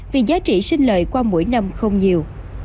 vì giá trị sinh lời qua mỗi năm không nhiều